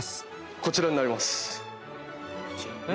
こちらになります。